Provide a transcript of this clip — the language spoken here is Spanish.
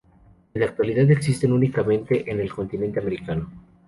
En la actualidad existen únicamente en el continente americano.